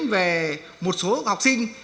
về một số học sinh